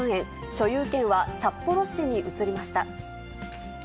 所有権は札幌市に移りました。